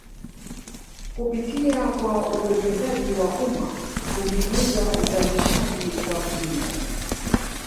Kupitia kwa uwekezaji wa umma kuhimiza uzalishaji wa kilimo